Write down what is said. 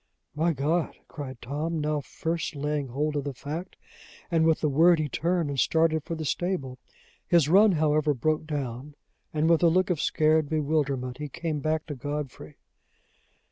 "My God!" cried Tom, now first laying hold of the fact; and with the word he turned and started for the stable. His run, however, broke down, and with a look of scared bewilderment he came back to Godfrey.